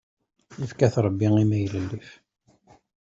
Ifka-t Ṛebbi i maylellif.